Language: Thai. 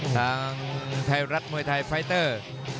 ทางไทยรัฐมวยไทยไฟเตอร์